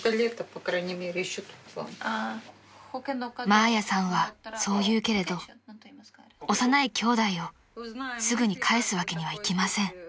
［マーヤさんはそう言うけれど幼いきょうだいをすぐに帰すわけにはいきません］